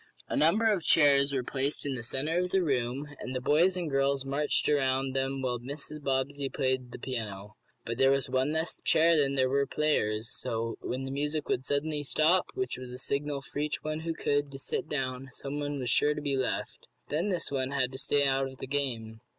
A number of chairs were placed in the centre of the room, and the boys and girls marched around them while Mrs. Bobbsey played the piano. But there was one less chair than there were players, so that when the music would suddenly stop, which was a signal for each one who could, to sit down, someone was sure to be left. Then this one had to stay out of the game.